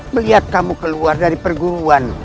melihat kamu keluar dari perguruan